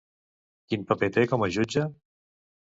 Quin paper té com a jutge?